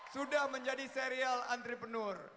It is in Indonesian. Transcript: sudah menjadi serial antrepreneur